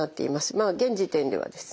まあ現時点ではですね